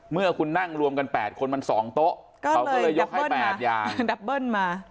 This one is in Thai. เมื่อคุณนั่งรวมกันแปดคนมันสองโต๊ะก็เลยยกให้แปดอย่างมา